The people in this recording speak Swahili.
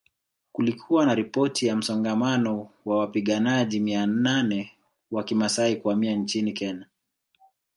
Kulikuwa na ripoti ya msongamano wa wapiganaji mia nane wa Kimasai kuhamia nchini Kenya